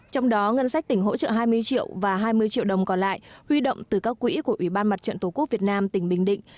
trong đó ngân sách tỉnh hỗ trợ hai mươi triệu và hai mươi triệu đồng còn lại huy động từ các quỹ của ủy ban mặt trận tổ quốc việt nam tỉnh bình định